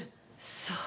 そう。